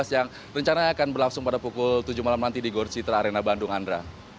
yang rencana akan berlangsung pada pukul tujuh malam nanti di gorcitra arena bandung andra